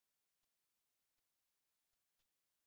Rrxa d bu leɛyub a imsewwqen.